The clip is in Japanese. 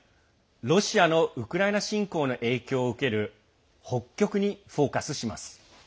ロシアのウクライナ侵攻の影響を受ける北極にフォーカスします。